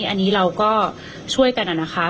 อันนี้เราก็ช่วยกันนะคะ